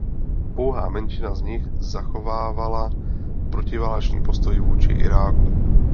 Pouhá menšina z nich zachovávala protiválečný postoj vůči Iráku.